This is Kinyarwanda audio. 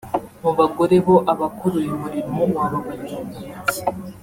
mu bagore bo abakora uyu murimo wababarira ku ntoki